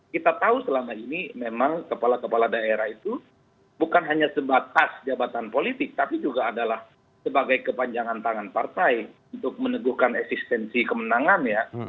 kita tahu selama ini memang kepala kepala daerah itu bukan hanya sebatas jabatan politik tapi juga adalah sebagai kepanjangan tangan partai untuk meneguhkan eksistensi kemenangan ya